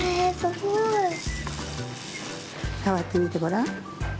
さわってみてごらん。